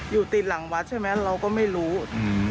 อยู่ติดหลังวัดใช่ไหมเราก็ไม่รู้อืม